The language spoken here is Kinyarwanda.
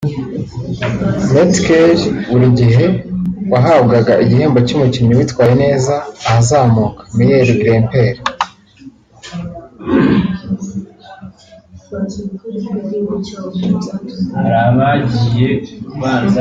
Metkel buri gihe wahabwaga igihembo cy’umukinnyi witwaye neza ahazamuka (meilleur grimpeur)